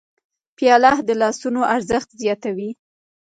پیاله د لاسونو ارزښت زیاتوي.